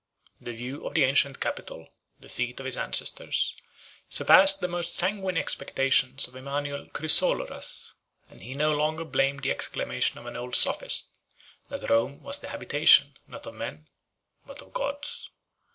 1 The view of the ancient capital, the seat of his ancestors, surpassed the most sanguine expectations of Emanuel Chrysoloras; and he no longer blamed the exclamation of an old sophist, that Rome was the habitation, not of men, but of gods.